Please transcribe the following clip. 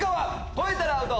超えたらアウト！